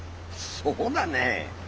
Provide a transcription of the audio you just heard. そうだねえ。